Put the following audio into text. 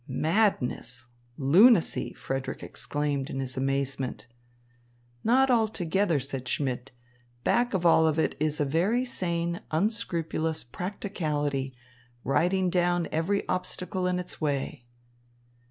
"Madness, lunacy!" Frederick exclaimed in his amazement. "Not altogether," said Schmidt. "Back of it all is a very sane, unscrupulous practicality, riding down every obstacle in its way."